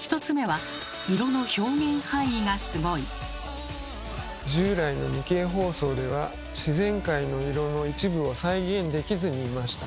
１つ目は従来の２Ｋ放送では自然界の色の一部を再現できずにいました。